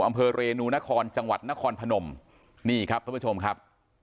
อำเภอเรนูนครจังหวัดนครพนมนี่ครับท่านผู้ชมครับ